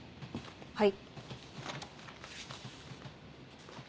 はい。